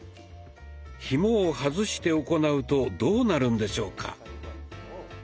ひもを外して行うとどうなるんでしょうか？